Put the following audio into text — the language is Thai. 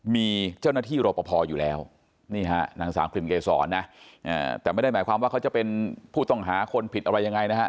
มีเจ้าหน้าที่รอปภอยู่แล้วนี่ฮะนางสาวกลิ่นเกษรนะแต่ไม่ได้หมายความว่าเขาจะเป็นผู้ต้องหาคนผิดอะไรยังไงนะฮะ